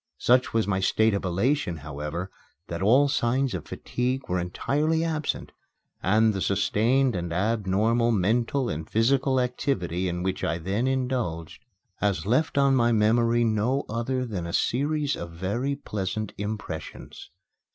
Such was my state of elation, however, that all signs of fatigue were entirely absent and the sustained and abnormal mental and physical activity in which I then indulged has left on my memory no other than a series of very pleasant impressions.